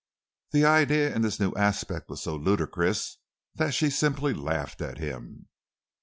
The idea in this new aspect was so ludicrous that she simply laughed at him.